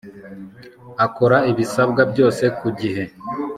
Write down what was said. Akora ibisabwa byose kugihe